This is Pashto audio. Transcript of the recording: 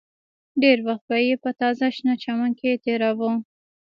ډېر وخت به یې په تازه شنه چمن کې تېراوه